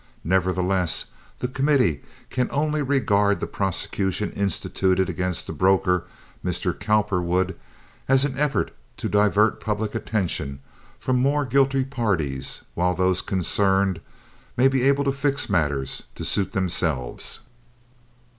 Nevertheless, the committee can only regard the prosecution instituted against the broker, Mr. Cowperwood, as an effort to divert public attention from more guilty parties while those concerned may be able to 'fix' matters to suit themselves."